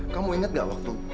kamu inget gak waktu